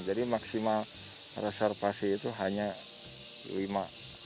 jadi maksimal reservasi itu hanya lima